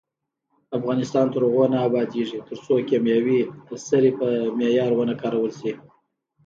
افغانستان تر هغو نه ابادیږي، ترڅو کیمیاوي سرې په معیار ونه کارول شي.